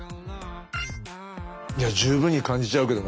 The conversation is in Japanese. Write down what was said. いや十分に感じちゃうけどな。